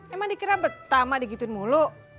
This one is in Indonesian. emang dikira betah mak digituin mulu